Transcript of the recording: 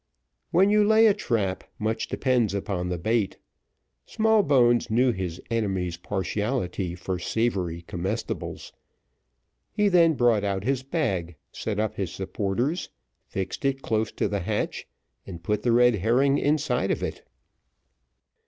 When you lay a trap, much depends upon the bait; Smallbones knew his enemy's partiality for savoury comestibles. He then brought out his bag, set up his supporters, fixed it close to the hatch, and put the red herring inside of it.